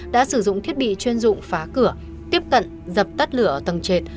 đã sử dụng thiết bị chuyên dụng phá cửa tiếp tận dập tắt lửa tầng trệt